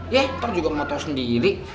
ya ntar juga mau tau sendiri